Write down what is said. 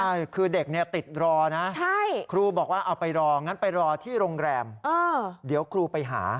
ใช่คือเด็กเนี่ยติดรอนะครูบอกว่าเอาไปรองั้นไปรอที่โรงแรมเดี๋ยวครูไปหา